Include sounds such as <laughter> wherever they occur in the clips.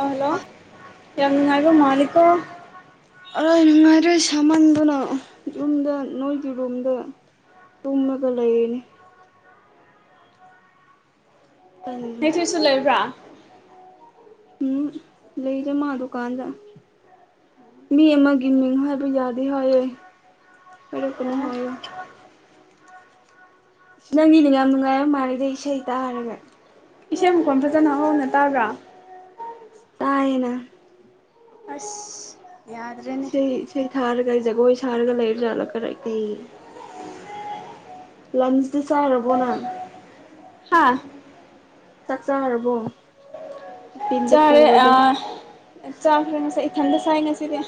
Hello ꯌꯥꯝꯉꯥꯏꯕ ꯃꯥꯂꯤꯀꯣ꯫ ꯑꯔꯥꯏ ꯅꯨꯡꯉꯥꯏꯔꯦ ꯁꯥꯃꯟꯗꯨꯅ ꯌꯨꯝꯗ ꯅꯣꯏꯒꯤ ꯔꯣꯝꯗ ꯇꯨꯝꯃꯒ ꯂꯩꯔꯤꯅꯤ ꯇꯟꯗꯅ ꯅꯊꯣꯏꯁꯨ ꯂꯩꯕ꯭ꯔꯥ <unintelligible> ꯎꯝ ꯂꯩꯇ‌ꯦ ꯃꯥꯥ ꯗꯨꯀꯥꯟꯗ ꯃꯤ ꯑꯃꯒꯤ ꯃꯤꯡ ꯍꯥꯏꯕ ꯌꯥꯗꯦ ꯍꯥꯏꯑꯦ ꯍꯥꯏꯔꯛꯀꯅꯨ ꯑꯣ ꯍꯥꯏꯑꯦ ꯏꯁꯩ ꯅꯪꯗꯤ ꯌꯥꯝ ꯅꯨꯡꯉꯥꯏꯔ ꯃꯥꯥꯟꯜꯂꯤꯗ ꯏꯁꯩ ꯇꯥꯔꯒ ꯏꯁꯩ ꯃꯈꫭꯟ ꯐꯖꯅ ꯍꯥꯎꯅ ꯇꯥꯕ꯭ꯔꯥ ꯇꯥꯌꯦꯅ ꯑꯁ ꯌꯥꯗ꯭ꯔꯦꯅꯦ ꯁ ꯏꯁꯩ ꯊꯥꯔꯒꯖꯒ ꯁꯥꯔꯒ ꯂꯩꯔꯖꯠꯂꯥ ꯈꯔ ꯀꯩ ꯂꯟꯆꯗꯤ ꯆꯥꯔꯕꯣꯅꯪ ꯍꯥꯥ ꯆꯥꯛ ꯆꯔꯥꯕꯣ ꯆꯥꯔꯦ ꯆꯥꯈꯔ ꯉꯁꯥꯏ ꯏꯊꯟꯗ ꯆꯥꯏ ꯉꯁꯤꯗꯤ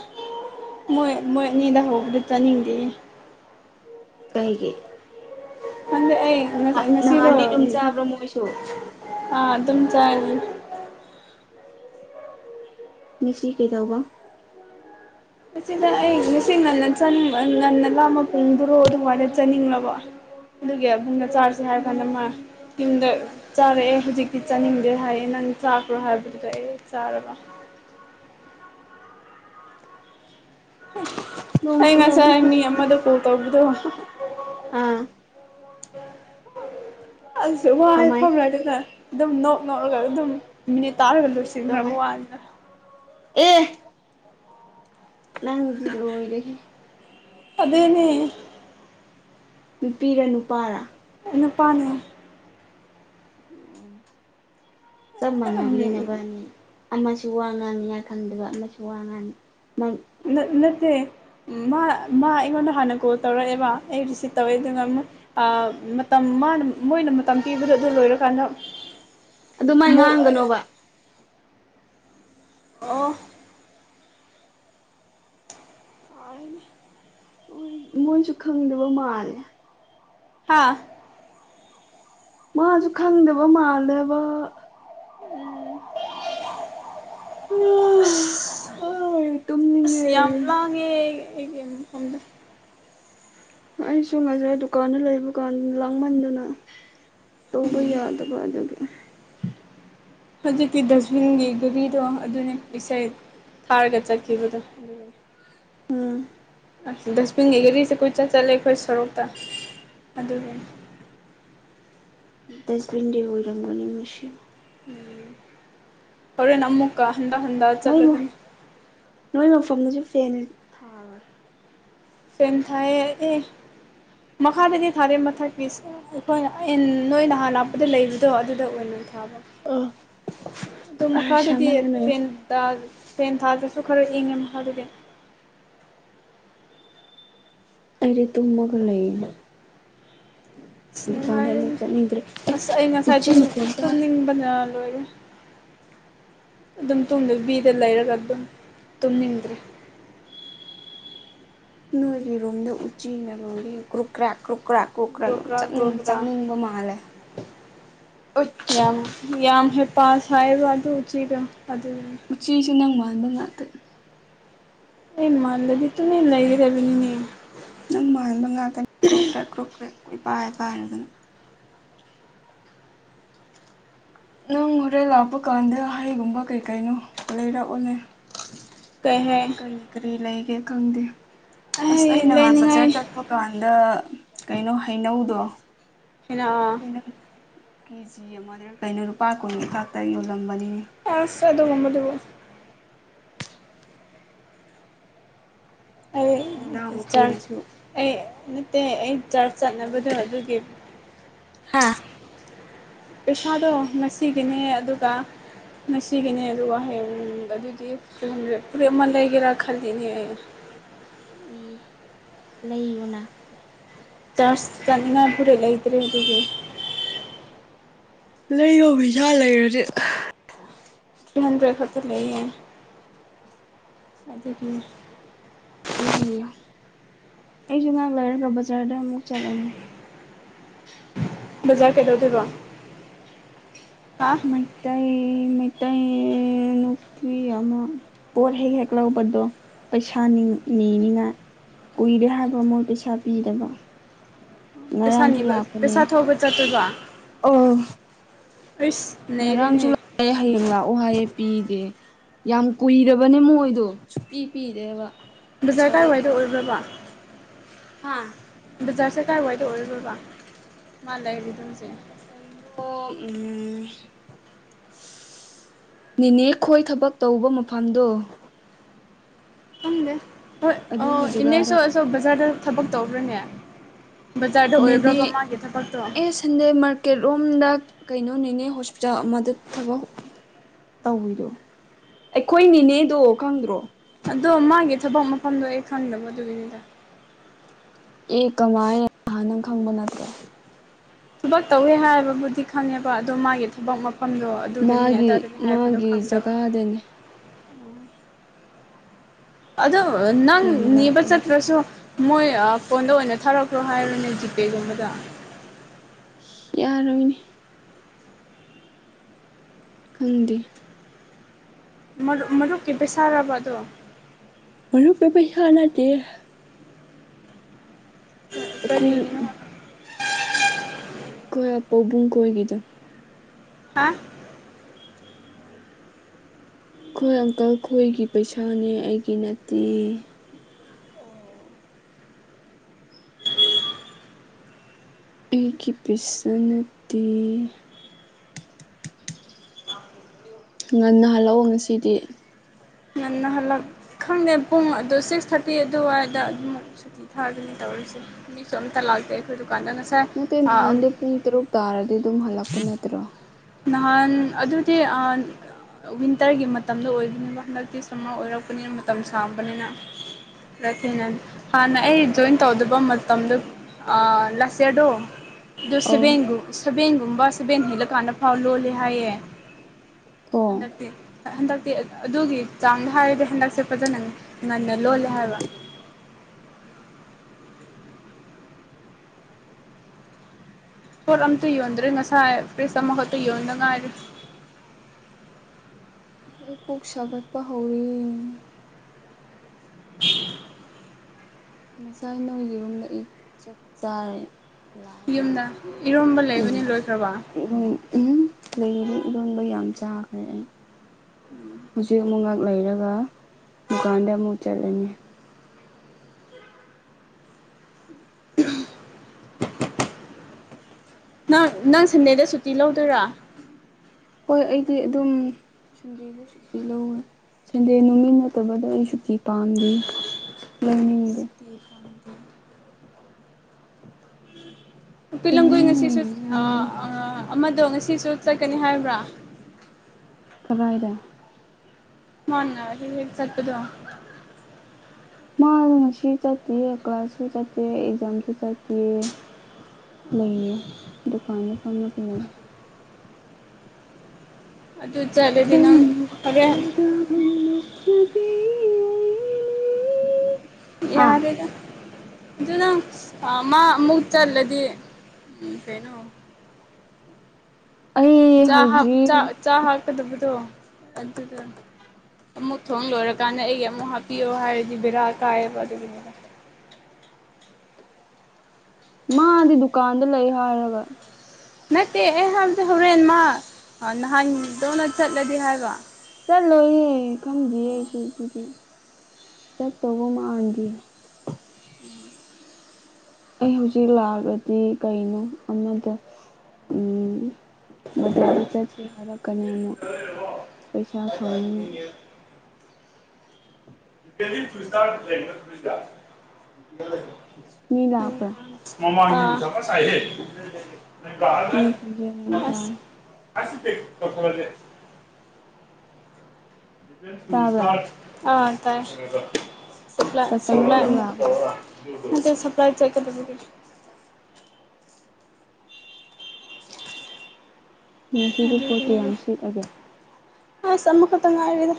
ꯃꯣꯏ ꯃꯣꯏ ꯅꯣꯏ ꯑꯅꯤꯗ ꯍꯧꯕꯗꯨ ꯆꯥꯅꯤꯡꯗꯦꯌ‌ꯦ ꯀꯩꯒꯤ ꯍꯪꯗꯛ ꯑꯩ ꯉ ꯅꯍꯥꯟ ꯉꯁꯤꯗꯣ ꯅꯍꯥꯟꯗꯤ ꯑꯗꯨꯝ ꯆꯥꯕ꯭ꯔꯥ ꯃꯣꯏꯁꯨ ꯑꯥ ꯑꯗꯨꯝ ꯆꯥꯏ ꯃꯤꯁꯤ ꯀꯩꯗꯧꯕ ꯃꯁꯤꯗ ꯑꯩ ꯉꯁꯤ ꯉꯟꯅꯅꯤꯡ ꯉꯟꯅꯒ ꯄꯨꯡꯗꯨꯔꯣ ꯑꯗꯨꯃꯥꯏꯅ ꯆꯥꯅꯤꯡꯂꯕ ꯑꯗꯨꯒꯤ ꯑꯕꯟꯒ ꯆꯥꯔꯁꯦ ꯍꯥꯏꯔ ꯀꯥꯟꯗ ꯃꯥ ꯌꯨꯝꯗ ꯆꯥꯔꯛꯑꯦ ꯍꯧꯖꯤꯛꯇꯤ ꯆꯥꯅꯤꯡꯗꯦ ꯍꯥꯏ ꯅꯪ ꯆꯥꯈ꯭ꯔꯣ ꯍꯥꯏꯕꯗꯨꯗ ꯑꯩ ꯆꯥꯔꯕ ꯅꯣꯡ ꯑꯩ ꯆꯨꯔꯛꯑꯗꯤ ꯉꯁꯥꯏ ꯃꯤ ꯐꯗꯣꯏꯅꯦ ꯑꯃꯗ ꯀꯣꯜ ꯇꯧꯕꯗꯣ ꯑꯥ ꯑꯁꯨ ꯋꯥ ꯀꯃꯥꯏ ꯍꯥꯏꯐꯝ ꯂꯩꯇꯨꯗꯦꯗ ꯑꯗꯨꯝ ꯅꯣꯛ ꯅꯣꯛꯂꯒ ꯑꯗꯨꯝ ꯃꯤꯅꯤꯠ ꯇꯥꯔꯒ ꯂꯣꯏꯁꯤꯟꯈ꯭ꯔꯕ ꯀꯃꯥꯏ ꯋꯥꯅꯤꯗ ꯑꯦ ꯅꯡꯗꯤ ꯂꯣꯏꯔꯦ ꯍꯦ ꯑꯗꯨꯗꯅꯦ ꯅꯨꯄꯤꯔ ꯅꯨꯄꯥꯔꯥ ꯅꯨꯅꯤꯄꯥ ꯑꯣ ꯆꯞ ꯃꯥꯟꯅꯈ꯭꯭ꯔꯅꯦꯅꯕꯅꯤ ꯑꯃꯁꯨ ꯋꯥ ꯉꯥꯡꯅꯤꯅ ꯈꯪꯗꯕ ꯑꯃꯁꯨ ꯋꯥ ꯉꯥꯡꯅꯤ ꯅꯠꯇꯦ ꯃꯥ ꯃꯥ ꯑꯩꯉꯣꯟꯗ ꯍꯥꯟꯅ ꯀꯣꯜ ꯇꯧꯔꯛꯑꯦꯕ ꯑꯩ ꯔꯤꯁꯤꯞ ꯇꯧꯋꯦ ꯑꯗꯨꯒ ꯃꯇꯝ ꯃꯥꯅ ꯃꯣꯏꯅ ꯃꯇꯝ ꯄꯤꯕꯗ ꯑꯗꯨ ꯂꯣꯏꯔꯀꯥꯟꯗ ꯑꯗꯨꯃꯥꯏ ꯑꯃꯨꯛ ꯉꯥꯡꯒꯅꯣꯕ ꯑꯣ ꯑꯅꯤ ꯏꯃꯣꯏꯁꯨ ꯈꯪꯗꯕ ꯃꯥꯜꯂꯦ ꯍꯥꯥ ꯃꯥꯁꯨ ꯈꯪꯗꯕ ꯃꯥꯜꯂꯦꯕ ꯎꯝ ꯑꯥ ꯑꯁ ꯇꯨꯝꯅꯤꯡꯉꯦ ꯌꯥꯝ ꯋꯥꯥꯡꯉꯦ ꯑꯩꯒꯤ ꯃꯐꯝꯗ ꯑꯩꯁꯨ ꯉꯁꯥꯏ ꯗꯨꯀꯥꯟꯗ ꯂꯩꯕ ꯀꯥꯟ ꯂꯥꯡꯃꯟꯗꯅ ꯇꯧꯕꯕꯨ ꯌꯥꯗꯕꯥꯗꯧꯒꯦ ꯍꯧꯖꯤꯛꯇꯀꯤ ꯗꯁꯕꯤꯟꯒꯤ ꯒꯨꯕꯤꯗꯣ ꯑꯗꯨꯅ ꯏꯁꯩ ꯊꯥꯔꯒꯦꯠ ꯆꯀꯤꯕꯨꯗ ꯎꯝ ꯗꯁꯕꯤꯟꯒꯤ ꯒꯥꯔꯤꯁꯦ ꯀꯨꯣꯏ ꯆꯠ ꯆꯠꯂꯦ ꯑꯩꯈꯣꯏ ꯁꯣꯔꯣꯛꯇ ꯑꯗꯨꯒꯤꯅꯦ ꯗꯁꯕꯤꯟꯗꯤ ꯑꯣꯏꯔꯪꯝꯕꯣꯅꯤ ꯃ ꯍꯣꯔꯦꯟ ꯑꯃꯨꯛꯀꯥ ꯅ ꯅꯣꯏ ꯃꯐꯝꯁꯨ ꯐ ꯆꯦꯟ ꯊꯥꯏ ꯑꯦ ꯃꯈꯥꯗꯗꯤ ꯊꯥꯔꯦ ꯃꯊꯛꯀꯤ ꯑꯩꯈꯣꯏꯅ ꯅꯣꯏ ꯅꯍꯥꯟ ꯍꯥꯞꯄꯗ ꯂꯩꯕꯗꯣ ꯑꯗꯨꯗ ꯑꯣꯏꯅ ꯑ ꯑꯗꯨꯃ ꯀꯥꯗꯗꯤ ꯁꯥꯃꯟꯗꯅ ꯐꯗꯥ ꯁꯦꯟ ꯊꯥꯗꯨꯁꯨ ꯈꯔ ꯏꯪꯉꯦ ꯃꯈꯥꯗꯨꯗꯤ ꯑꯔꯤ ꯇꯃ ꯀꯩꯅ ꯑꯁ ꯅꯨꯡꯉꯥꯏꯔꯤ ꯑꯦ ꯑꯁ ꯑꯩ ꯉꯁꯥꯏ ꯎꯆꯤ ꯃꯈꯣꯟ ꯇꯥꯏ ꯇꯨꯝꯅꯤꯡꯕꯅ ꯍ ꯑꯗꯨꯝ ꯇꯨꯡꯗ ꯕꯤꯗ ꯂꯩꯔꯒ ꯑꯗꯨꯝ ꯇꯨꯝꯅꯤꯡꯗ꯭ꯔꯦ ꯅꯣꯏ ꯔꯣꯝ ꯎ ꯎꯆꯤꯅ ꯂꯣꯏ ꯀ꯭ꯔꯨꯛ꯭ꯔ ꯀ ꯀꯀ꯭ꯔꯥ ꯀꯣꯛ ꯈꯔ ꯒ꯭ꯔꯣꯒ꯭ꯔꯥ ꯑꯗꯨꯝꯅꯤꯡ ꯒ꯭ꯔꯣꯒ꯭ꯔꯥ ꯆꯪꯅꯤꯡꯕ ꯃꯥꯜꯂꯦ ꯌꯥꯝ ꯌꯥꯝ ꯍ ꯄꯥꯁ ꯍꯥꯏꯕ ꯑꯗꯨ ꯎꯆꯤꯒ ꯑꯗꯨ ꯉꯠꯇ ꯑꯩꯃꯥꯟꯗꯗꯤ ꯇꯨꯅꯤ ꯂꯩꯗꯕꯤꯅꯤꯅꯤ ꯅꯪ ꯃꯥꯟꯕ ꯉꯥꯛꯇꯅꯤ ꯀ꯭ꯔꯣꯛ ꯀ꯭ꯔꯦꯛ ꯀ꯭ꯔꯣꯛ ꯀ꯭ꯔꯦꯛ ꯀꯣꯏ ꯄꯥꯏ ꯄꯥꯏꯔꯗꯅ ꯅꯪ ꯍꯣꯔꯦꯟ ꯂꯥꯛꯄ ꯀꯥꯟꯗ ꯍꯩꯒꯨꯝꯕ ꯀꯩ ꯀꯩꯅꯣ ꯂꯩꯔꯛꯑꯣꯅꯦ ꯀꯩ ꯍꯥꯏ ꯀꯔꯤ ꯀꯔꯤ ꯂꯩꯒꯦ ꯈꯪꯗꯦ ꯑꯁ ꯑꯩ ꯅꯍꯥꯟ ꯕꯖꯥꯔ ꯆꯠꯄ ꯀꯥꯟꯗ ꯀꯩꯅꯣ ꯍꯩꯅꯧꯗꯣ ꯍ ꯀꯦ ꯖꯤ ꯑꯃꯗ ꯀꯩꯅꯣ ꯂꯨꯄꯥ ꯀꯨꯟ ꯍꯊꯥꯛꯇ ꯌꯣꯜꯂꯝꯃꯤ ꯑꯁ ꯅꯤꯔ ꯑꯗꯨꯒꯨꯝꯕꯗꯨꯕꯨ ꯆꯔ ꯑꯩ ꯆꯥꯟ ꯅꯅꯥꯎꯅꯨꯄꯤꯅꯁꯨ ꯑꯩ ꯅꯠꯇꯦ ꯑꯩ ꯆꯔꯆ ꯆꯠꯅꯕꯗꯣ ꯑꯗꯨꯒꯤ ꯍꯥꯥ ꯄꯩꯁꯥꯗꯣ ꯉꯁꯤꯒꯤꯅꯦ ꯑꯗꯨꯒ ꯉꯁꯤꯒꯤꯅꯦ ꯑꯗꯨꯒ ꯋꯥꯍꯡ ꯑꯗꯨꯗꯤꯗꯦ ꯐꯂꯦꯞ ꯑꯃ ꯂꯩꯒꯦꯔꯥ ꯈꯜꯂꯤꯅꯦ ꯎ ꯂꯩꯒꯨꯅ ꯆꯥꯖ ꯆꯅ ꯨꯔꯦ ꯂꯩꯒ꯭ꯔꯦ ꯑꯗꯨꯗꯒꯤ ꯂꯩꯌꯣ ꯩꯁꯥ ꯂꯩꯔꯗꯤ ꯄꯍꯟꯕ꯭ꯔꯦ ꯈꯛꯇ ꯂꯩꯌꯦ ꯑꯗꯨꯗꯤ ꯎ ꯑꯩꯁꯨ ꯉꯍꯥꯛ ꯂꯩꯔꯒ ꯕꯖꯥꯔꯗ ꯑꯃꯨꯛ ꯆꯠꯂꯅꯤ ꯃꯖꯥ ꯀꯩꯗꯧ ꯊꯕ ꯃꯩꯠꯇꯥꯏ ꯃꯦꯠꯇꯥꯏ ꯃꯤꯏ ꯑꯃ ꯄꯣꯠ ꯍꯦꯛ ꯍꯦꯛ ꯂꯄꯗꯣ ꯄꯩꯁꯥ ꯅꯤꯅꯤꯉꯥꯏ ꯀꯨꯏꯔꯦ ꯍꯥꯏꯕ ꯃꯣꯏ ꯄꯩꯁꯥ ꯄꯤꯗꯔꯕ ꯄꯩꯁꯥ ꯉꯔꯥꯡꯁꯨ ꯅꯤꯕ ꯂꯥꯛꯄꯅꯦ ꯄꯩꯁꯥ ꯊꯧꯕ ꯆꯠꯇꯣꯏꯕ ꯑꯣ ꯑꯩꯁ ꯉꯔꯥꯡꯁꯨ ꯅꯩꯔꯦꯅꯦ ꯂꯥꯛꯑꯦ ꯍꯌꯦꯡ ꯂꯥꯛꯑꯣ ꯍꯥꯏꯌꯦ ꯄꯤꯗꯦ ꯌꯥꯝ ꯀꯨꯏꯔꯕꯅꯦ ꯃꯣꯏꯗꯣ ꯁꯨꯄꯤ ꯄꯤꯗꯦꯕ ꯕꯖꯥꯔ ꯀꯥꯏꯋꯥꯏꯗ ꯑꯣꯏꯕ꯭ꯔꯕ ꯍꯥꯥ ꯕꯖꯥꯔꯁꯦ ꯀꯥꯏꯋꯥꯏꯗ ꯑꯣꯏꯔꯗꯣꯏꯔꯕ ꯖ ꯀꯩꯩꯅꯣ ꯎꯝ ꯅꯅꯤꯅꯦ ꯈꯣꯏ ꯊꯕꯛ ꯇꯧꯕ ꯃꯐꯝꯗꯣ ꯈꯪꯗꯦ ꯍꯣꯏ ꯑ ꯑꯗꯨꯒꯤ ꯏꯅꯦꯁꯨ ꯖꯒꯥꯗ ꯑꯆ ꯕꯖꯥꯔꯗ ꯊꯕꯛ ꯇꯧ꯭ꯔꯅꯦ ꯅꯦꯅꯦ ꯑꯦ ꯁꯟꯗꯦ ꯃꯥꯔꯀꯦꯠ ꯔꯣꯝꯗ ꯀꯩꯅꯣꯅꯦꯅꯦ ꯍꯣꯁꯄꯤꯇꯥꯜ ꯑꯃꯗ ꯊꯕꯛ ꯇꯧꯤꯗꯣ ꯑꯩꯈꯣꯏꯅꯤꯅꯦꯗꯣ ꯈꯪꯗ꯭ꯔꯣ ꯑꯗꯣ ꯃꯥꯒꯤ ꯊꯕꯛ ꯃꯐꯝꯗꯣ ꯑꯩ ꯈꯪꯗꯕ ꯑꯗꯨꯒꯤꯅꯤꯗ ꯑꯦ ꯀꯃꯥꯏꯅ ꯅꯍꯥꯟ ꯅꯪ ꯈꯪꯕ ꯅꯠꯇ꯭ꯔꯦ ꯊꯕꯛ ꯇꯧꯋꯦ ꯍꯥꯏꯕꯕꯨꯗꯤ ꯈꯪꯉꯦꯕ ꯑꯗꯣ ꯃꯥꯒꯤ ꯊꯕꯛ ꯃꯐꯝꯗꯣ ꯑꯗꯨꯗꯅꯤ ꯃꯥꯒꯤ ꯑꯗꯥꯗꯅꯤ ꯍꯥꯏꯕꯗꯣ ꯃꯥꯒꯤ ꯈꯪꯗꯕ ꯎ ꯖꯒꯥꯗꯅꯤ ꯑꯗꯣ ꯅꯪ ꯌꯥꯝ ꯅꯕꯁ ꯂꯥꯞꯄꯅꯦ ꯄ꯭ꯔꯣꯁꯨ ꯃꯣꯏ ꯐꯣꯟꯗ ꯑꯣꯏꯅ ꯊꯥꯔꯛꯄ꯭ꯔꯣ ꯍꯥꯏꯔꯅꯦ ꯖꯤꯄꯦꯒꯨꯝꯕꯗ ꯌꯥꯔꯣꯏꯅꯦ ꯈꯪꯗꯦ ꯃꯔ ꯃꯔꯨꯞꯀꯤ ꯄꯦꯁꯥꯔꯕꯗꯣ ꯍ ꯔꯨꯄꯦ ꯄꯩꯁꯥ ꯑꯅꯥꯗ ꯀꯣꯏ ꯀꯔꯤꯒꯤꯅꯣ ꯑꯩꯈꯣꯏ ꯄꯕꯨꯡ ꯀꯣꯏꯒꯤꯗ ꯍꯥ ꯈꯣꯏ ꯑꯪꯀꯜ ꯈꯣꯏꯒꯤ ꯄꯩꯁꯥꯅꯦ ꯑꯩꯒꯤ ꯅꯠꯇꯦ ꯑꯩꯒꯤ ꯄꯤꯁꯅꯠꯇꯦ <inaudible> ꯉꯟꯅ ꯍꯜꯂꯛꯑꯣ ꯉꯁꯤꯗꯤ ꯉ ꯅꯍꯜꯂ ꯈꯪꯗꯦ ꯄꯨꯡ ꯑꯗꯨꯣ ꯁꯤꯛꯁ ꯊꯥꯔꯇꯤ ꯑꯗꯨꯋꯥꯏꯗ ꯑꯗꯨꯝꯃꯛ ꯁꯨꯇꯤ ꯊꯥꯒꯅꯤ ꯇ ꯃꯤ ꯁꯣꯝꯇ ꯂꯥꯛꯇꯈꯣꯏ ꯅꯠꯇꯦ ꯅꯍꯥꯟꯗꯤ ꯄꯨꯡ ꯇꯔꯨꯛ ꯇꯥꯔꯗꯤ ꯑꯗꯨꯝ ꯍꯜꯂꯛꯄ ꯅꯠꯇ꯭ꯔꯣ ꯅꯍꯥꯟ ꯑꯗꯨꯗꯤ ꯋꯤꯟꯇꯔꯒꯤ ꯃꯇꯝꯗ ꯑꯣꯏꯗꯣꯏꯅꯦꯕ ꯍꯟꯗꯛꯇꯤ ꯁꯔꯃꯔ ꯑꯣꯏꯔꯛꯄꯅꯤꯅ ꯃꯇꯝ ꯁꯥꯡꯕꯅꯤꯅ ꯔꯊꯤꯅ ꯍꯥꯟꯅ ꯑꯩ ꯖꯣꯏꯟ ꯇꯧꯗꯕ ꯃꯇꯝꯗ ꯑ ꯂꯥꯁꯦꯗꫭ ꯑꯗꯨ ꯑꯧ ꯁꯕꯒ ꯁꯦꯕꯦꯡꯒꯨꯝꯕ ꯁꯕꯦꯟ ꯍꯦꯜꯠꯂꯀꯥꯟꯗ ꯐꯥꯎ ꯂꯣꯜꯂꯦ ꯍꯥꯏꯌꯦ ꯊꯣꯡ ꯍꯟꯗ ꯍꯟꯗ ꯑꯗꯨꯒꯤ ꯆꯥꯡꯗ ꯍꯥꯏꯔꯗꯤ ꯍꯟꯗꯛꯁꯦ ꯐꯖꯅ ꯉꯟꯅ ꯂꯣꯜꯂꯦ ꯍꯥꯏꯕ <inaudible> ꯄꯣꯠ ꯑꯝꯇ ꯌꯣꯟꯗ꯭ꯔꯦ ꯉꯁꯥꯏ ꯐ꯭ꯔꯤꯖ ꯑꯃꯈꯛꯇ ꯌꯣꯟꯗꯉꯥꯏꯔꯤ ꯑꯩ ꯀꯣꯛ ꯁꯥꯒꯠꯄ ꯍꯧꯔ ꯉꯁꯥꯏ ꯅꯣꯏꯒꯤꯔꯨꯝꯗ ꯏ ꯆ ꯆꯥꯔꯦ ꯂ ꯌꯨꯝꯗ ꯏꯔꯣꯝꯕ ꯂꯩꯕꯅꯤ ꯂꯣꯏꯈ꯭ꯔꯕ ꯎ ꯂꯩꯗꯤ ꯏꯔꯣꯟꯕ ꯌꯥꯝ ꯆꯥꯈ꯭ꯔꯦ ꯑꯩ ꯍꯧꯖꯤꯛ ꯑꯃꯨꯛ ꯂꯩꯔꯒ ꯗꯨꯀꯥꯟꯗ ꯑꯃꯨꯛ ꯆꯠꯂꯅꯤ <inaudible> ꯅꯪ ꯅꯪ ꯁꯟꯟꯅꯩꯗ ꯁꯨꯇꯤ ꯂꯧꯗꯣꯏꯔ ꯍꯣꯏ ꯑꯩꯗꯤ ꯑꯗꯨꯝ ꯁꯟꯗꯦꯗ ꯁꯨꯇꯤ ꯂꯧꯋꯦ ꯁꯟꯗꯦ ꯅꯨꯃꯤꯠ ꯅꯠꯇꯕꯗ ꯑꯩ ꯁꯨꯇꯤ ꯄꯥꯝꯗꯦ ꯂꯅꯤ ꯇꯗꯤ ꯄꯤꯂꯪꯒꯨ ꯉꯁꯤꯁꯨ ꯑꯗꯣ ꯉꯁꯤꯁꯨ ꯆꯠꯀꯅꯤ ꯍꯥꯏꯕ꯭ꯔꯥ ꯐꯗ ꯃꯅ ꯍ ꯍ ꯆꯠꯄꯗ ꯃꯥ ꯉꯁꯤ ꯆꯠꯇꯦ ꯀ꯭ꯂꯥꯁꯁꯨ ꯆꯠꯇꯦ ꯑꯦꯛꯖꯥꯝꯁꯨ ꯆꯠꯇꯦ ꯂꯩꯔꯌꯦ ꯀꯥꯟꯗ ꯐꯅ ꯂꯩꯦ ꯑꯗꯨ ꯑꯗꯨ ꯆꯗꯦ ꯅꯪ ꯅꯪꯒꯤ ꯐꯔꯦ ꯋꯥꯈꯜꯗ ꯅꯣꯛꯆꯕꯤ ꯑꯩꯅꯤ ꯍꯥ ꯌꯥꯗꯗ ꯑꯗꯨꯗ ꯃꯥ ꯃꯨꯛꯇꯛꯇꯔꯂꯗꯤ ꯎ ꯀꯩꯅꯣ ꯑꯩ ꯍꯧꯖꯤꯛ ꯆꯥ ꯍꯥꯞꯀꯗꯕꯗꯣ ꯑꯗꯨꯗ ꯑꯃꯨꯛ ꯊꯣꯡ ꯂꯣꯏꯔꯀꯥꯟꯗ ꯑꯩꯒꯤ ꯑꯃꯨꯛ ꯍꯥꯞꯄꯤꯌꯣ ꯍꯥꯏꯔꯗꯤ ꯕꯦꯔꯥ ꯀꯥꯏꯑꯕ ꯑꯗꯨꯒꯤꯅꯦ <unintelligible> ꯃꯥꯗꯤ ꯗꯨꯀꯥꯟꯗ ꯂꯩ ꯍꯥꯏꯔꯒ ꯅꯠꯇꯦ ꯑꯩ ꯍꯥꯏꯕꯗꯤ ꯍꯧꯣꯔꯦꯟꯃ ꯅꯍꯥꯟꯗꯧꯅ ꯆꯠꯂꯗꯤ ꯍꯥꯏꯕꯣ ꯆꯠ ꯂꯣꯏꯌꯦꯦ ꯈꯪꯗ꯭ꯌꯦ ꯑꯩꯁꯨ ꯑꯗꯨꯗꯤ ꯆꯠꯇꯧꯕ ꯃꯥꯗꯤ ꯑꯩ ꯍꯧꯖꯤꯛ ꯂꯥꯛꯑꯒꯗꯤ ꯀꯩꯅꯣ ꯑꯃꯗ ꯎꯝꯖꯔ ꯆ ꯍꯥꯔ ꯀꯅꯤ ꯄꯩꯁꯥ ꯊꯧꯅꯤꯅ <unintelligible> ꯃꯤ ꯂꯥꯛꯄ꯭ꯔꯥ ꯃꯃ ꯃꯤ ꯈꯣꯟꯖꯦꯜ ꯌꯥꯝ ꯇꯥꯔꯦ ꯔ ꯂꯈꯦ ꯇꯥꯕ꯭ꯔꯥ ꯑꯥ ꯇꯥꯏ ꯄ ꯀꯁꯇꯃꯔꯁꯤꯡ ꯂꯥꯛꯄ꯭ꯔꯥ ꯅꯇꯄ꯭ꯂ ꯆꯠꯀꯗꯕꯒ ꯉꯁꯤꯗꯤ ꯄꯣꯠꯇꯤ ꯌꯥꯝ ꯁꯤꯠꯂꯒꯦ ꯑ ꯁꯃꯀ ꯇ ꯉꯥꯗ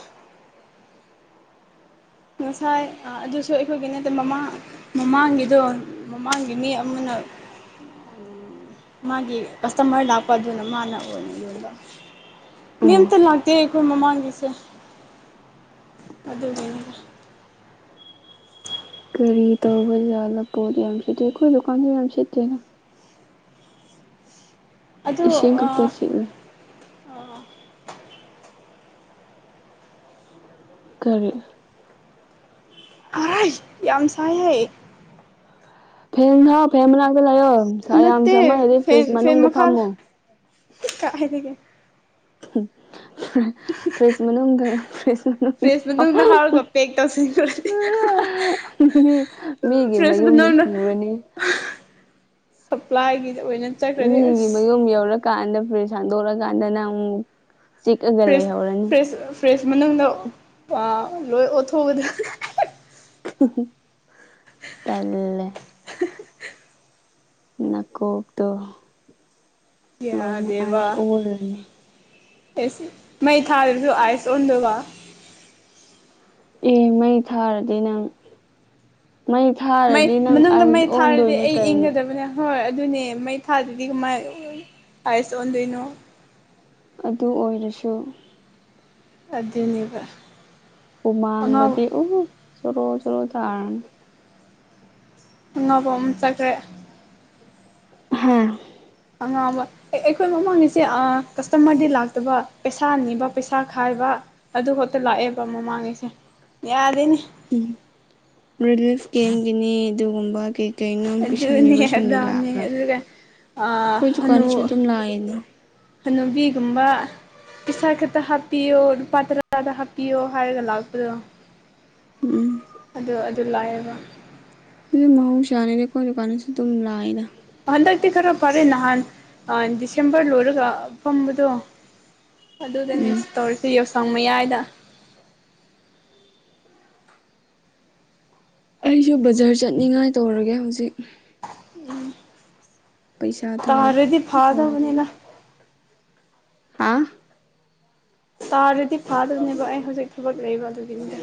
ꯉꯁꯥꯏ ꯑꯗꯨꯁꯨ ꯑꯩꯈꯣꯏꯒꯤ ꯅꯠꯇꯦ ꯃꯃꯥꯡ ꯃꯃꯥꯡꯒꯤꯗꯣ ꯃꯃꯥꯡꯒꯤ ꯃꯤ ꯑꯃꯅ ꯃꯥꯒꯤ ꯀꯁꯇꯃꯔ ꯂꯥꯛꯄ ꯑꯗꯨꯅ ꯃꯥꯅ ꯑꯣꯏꯅ ꯌ‌ꯣꯟꯕ ꯃꯤ ꯑꯣ ꯑꯝꯇ ꯂꯥꯛꯇꯦ ꯑꯩꯈꯣꯏ ꯃꯃꯥꯡꯒꯤꯁꯦ ꯑꯗꯨꯅꯤꯅꯦ ꯀꯔꯤ ꯇꯧꯕ ꯖꯥꯠꯂ ꯄꯣꯠ ꯌꯥꯝ ꯁꯤꯠꯇꯦ ꯑꯩꯈ‌ꯣꯏ ꯗꯨꯀꯥꯟꯁꯨ ꯌꯥꯝ ꯁꯤꯠꯇꯦꯅ‌ꯦ ꯑꯗꯨ ꯏꯁꯤꯡ ꯈꯛꯇꯥ ꯑꯥ ꯁꯤꯠꯂ‌ꯦ ꯀꯔꯤ ꯑꯩꯁ ꯌꯥꯝ ꯁꯥꯏꯦ ꯐꯦꯟ ꯊꯥꯎ ꯐꯦꯟ ꯃꯅꯥꯛꯇ ꯂꯩꯌꯣ ꯅꯨꯡꯁꯥ ꯌꯥꯝ ꯅꯠꯇꯦ ꯁꯃꯟ ꯂꯗꯤ ꯐ꯭ꯔꯤꯖ ꯐꯦꯟ ꯐꯦꯟ ꯃꯅꯨꯡꯗ ꯃꯈꯥꯗ ꯐꯝꯃꯣ ꯀꯥꯏꯗꯒꯤ ꯎꯝ ꯐ꯭ꯔꯤꯁ ꯃꯅꯨꯡꯗ ꯐ꯭ꯔꯤꯁ ꯃꯅꯨꯡꯗ ꯐ꯭ꯔꯤꯖ ꯃꯅꯨꯡꯗ ꯍꯥꯞꯔꯒ ꯐꯝ ꯄꯦꯛ ꯇꯧꯁꯤꯟꯈ꯭ꯔꯗꯤ ꯃꯤ ꯃꯤꯒꯤ ꯐ꯭ꯔꯤꯖ ꯃꯌꯨꯝꯗꯨ ꯄꯨꯔꯅꯤ ꯁꯄ꯭ꯂꯥꯏꯒꯤ ꯃꯤꯒꯤ ꯃꯌꯨꯝ ꯌꯧꯔꯀꯥꯟꯗ ꯐ꯭ꯔꯤꯁ ꯍꯥꯡꯗꯣꯂꯛꯀꯥꯟꯗꯅ ꯑꯃꯨꯛ ꯆꯤꯛꯑꯒ ꯐ꯭ꯔꯤꯁ ꯂꯩꯍꯧꯔꯅꯤ ꯐ꯭ꯔꯤꯁ ꯐ꯭ꯔꯤꯁ ꯃꯅꯨꯡꯗ ꯂꯣꯏ ꯑꯣꯠꯊꯣꯛꯑꯗ ꯇꯜꯂ‌ꯦ ꯅꯥꯀꯣꯛꯇꯣ ꯂꯣꯏꯅ ꯌꯥꯗꯦꯕ ꯑꯥꯏꯁ ꯑꯣꯔꯅꯤ ꯑꯦꯁ ꯃꯩ ꯊꯥꯗꯕꯁꯨ ꯑꯥꯏꯁ ꯑꯣꯟꯗꯕ ꯑꯦ ꯃꯩ ꯊꯥꯔꯗꯤꯅꯪ ꯃꯩ ꯃꯩ ꯊꯥꯔꯗꯤ ꯅꯪ ꯃꯅꯨꯡꯗ ꯑꯩꯥꯏꯁ ꯃꯩ ꯊꯥꯔꯗꯤ ꯑꯣꯟꯗꯣꯏꯅꯦ ꯑꯩ ꯀꯩꯅꯣ ꯏꯪꯒꯗꯕꯅꯦ ꯍꯣꯏ ꯑꯗꯨꯅꯦ ꯃꯩ ꯊꯥꯗꯗꯤ ꯀꯃꯥꯏ ꯑꯥꯏꯁ ꯑꯣꯟꯗꯣꯏꯅꯣ ꯑꯗꯨ ꯑꯣꯏꯔꯁꯨ ꯑꯗꯨꯅꯤꯕ ꯍꯨꯃꯥꯡꯒꯗꯤ ꯎꯐ ꯆꯔꯣ ꯆꯔꯣ ꯇꯥꯔꯅꯤ ꯉꯧꯕꯝ ꯆꯈ꯭ꯔꯦ ꯍꯥꯥ ꯑꯉꯥꯕ ꯑꯦ ꯑꯩꯈꯣꯏ ꯃꯃꯥꯡꯒꯤꯁꯦ ꯑ ꯀꯁꯇꯃꯔꯗꯤ ꯂꯥꯛꯇꯕ ꯄꯩꯁꯥ ꯅꯤꯕ ꯄꯩꯁꯥ ꯈꯥꯏꯕ ꯑꯗꯨ ꯈꯠꯇ ꯂꯥꯛꯑꯦꯕ ꯃꯃꯥꯡꯒꯤꯁꯦ ꯌꯥꯗꯦꯅꯦ ꯎꯝ ꯔꯤꯂꯤꯐ ꯀꯦꯝꯒꯤꯅꯤ ꯑꯗꯨꯒꯨꯝꯕ ꯀꯩ ꯀꯩꯅꯣꯝ ꯑꯗꯨꯅꯦ ꯄꯤꯁꯟꯒꯤꯕꯁꯤꯡꯗꯨ ꯑꯗꯥꯅꯦ ꯂꯥꯛꯄ꯭ꯔꯥ ꯑꯗꯨꯒ ꯀꯣꯏ ꯗꯨꯀꯥꯅꯤ ꯍꯅꯨ ꯆ ꯑꯗꯨꯝ ꯂꯥꯛꯑꯅꯣ ꯍꯅꯨꯕꯤꯒꯨꯝꯕ ꯄꯩꯁꯥ ꯈꯛꯇ ꯍꯥꯞꯄꯤꯌꯣ ꯂꯨꯄꯥ ꯇꯔꯥꯗ ꯍꯥꯞꯄꯤꯌꯣ ꯍꯥꯏꯔꯒ ꯂꯥꯛꯄꯗꯣ ꯎꯝ ꯑꯗꯨ ꯑꯗꯨ ꯂꯥꯏꯕ ꯑꯗꯨꯗꯤ ꯃꯍꯧꯁꯥꯅꯤꯅ‌ꯦ ꯑꯩꯈ‌ꯣꯏ ꯗꯨꯀꯥꯟꯗꯁꯨ ꯑꯗꯨꯝ ꯂꯥꯛꯑꯦꯗ ꯍꯟꯗꯛꯇꯤ ꯈꯔ ꯐꯔꯦ ꯅꯍꯥꯟ ꯗꯤꯁꯦꯝꯕꯔ ꯂꯣꯏꯔꯒ ꯐꯝꯕꯗꯣ ꯑꯗꯨꯗꯅꯦ ꯎꯝ ꯇꯧꯔꯤꯁꯤ ꯌꯥꯎꯁꯪ ꯃꯌꯥꯏꯗ ꯑꯩꯁꯨ ꯕꯖꯥꯔ ꯆꯠꯅꯤꯡꯉꯥꯏ ꯇꯧꯔꯒꯦ ꯍꯧꯖꯤꯛ ꯎꯝ ꯄꯩꯁꯥ ꯊꯥ ꯇꯥꯔꯗꯤ ꯇꯧꯗꯕ ꯐꯥꯗꯕꯅꯤꯅ ꯍꯥ ꯇꯥꯔꯗꯤ ꯐꯥꯗꯣꯅꯦꯕ ꯑꯩ ꯍꯧꯖꯤꯛ ꯊꯕꯛ ꯂꯩꯕ ꯑꯗꯨꯒꯤꯅꯤꯗ